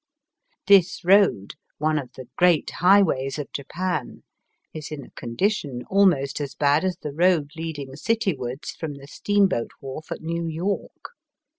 This road, one of the great highways of Japan, is in a condition almost as bad as the road leading citywards from the steamboat wharf at New York.